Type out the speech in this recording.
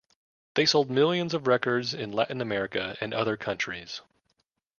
They sold millions of records in Latin America and other countries.